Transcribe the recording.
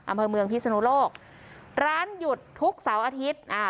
อำเภอเมืองพิศนุโลกร้านหยุดทุกเสาร์อาทิตย์อ่า